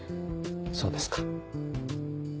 そうですか。